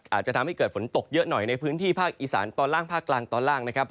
อาจจะทำให้เกิดฝนตกเยอะหน่อยในพื้นที่ภาคอีสานตอนล่างภาคกลางตอนล่างนะครับ